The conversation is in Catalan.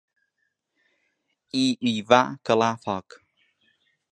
I hi va calar foc.